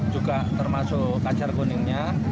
juga termasuk kajar kuningnya